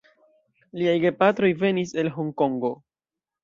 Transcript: Liaj gepatroj venis el Honkongo.